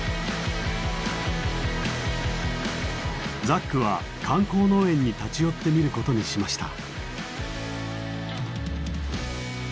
ザックは観光農園に立ち寄ってみることにしました。